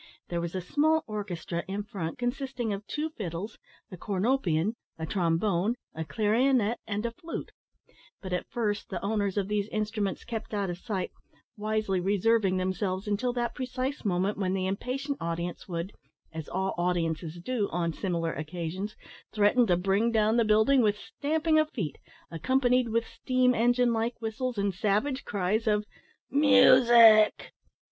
There was a small orchestra in front, consisting of two fiddles, a cornopian, a trombone, a clarionet, and a flute; but at first the owners of these instruments kept out of sight, wisely reserving themselves until that precise moment when the impatient audience would as all audiences do on similar occasions threaten to bring down the building with stamping of feet, accompanied with steam engine like whistles, and savage cries of "Music!"